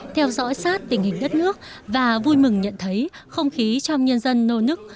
theo dõi sát tình hình đất nước và vui mừng nhận thấy không khí trong nhân dân nô nức